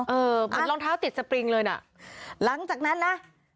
เหมือนรองเท้าติดสปริงเลยน่ะหลังจากนั้นนะ